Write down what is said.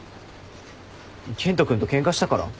健人君とケンカしたから？